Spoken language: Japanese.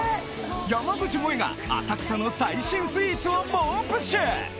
山口もえが浅草の最新スイーツを猛プッシュ！